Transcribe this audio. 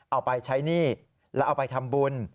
เอาไปใช้หนี้แล้วเอาไปทำบุญ